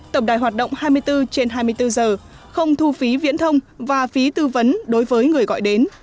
tổng đài hoạt động hai mươi bốn trên hai mươi bốn giờ không thu phí viễn thông và phí tư vấn đối với người gọi đến